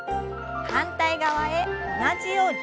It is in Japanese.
反対側へ同じように。